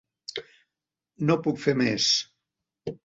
No puc fer més.